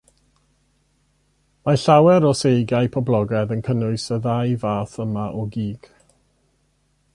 Mae llawer o seigiau poblogaidd yn cynnwys y ddau fath yma o gig.